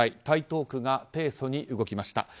台東区が提訴に動きました。